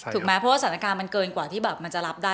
ถูกไหมเพราะว่าสถานการณ์มันเกินกว่าที่แบบมันจะรับได้